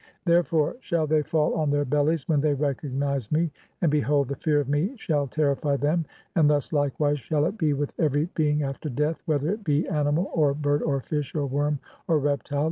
Therefore shall they "[fall] on (11) their bellies [when] they recognize me, and be "hold, the fear of me shall terrify them ; and thus likewise shall it "be with every being after death, whether it be animal, (12) or. "bird, or fish, or worm, or reptile.